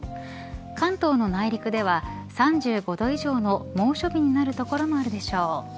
関東の内陸では３５度以上の猛暑日になる所があるでしょう。